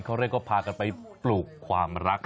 เขาเรียกว่าพากันไปปลูกความรัก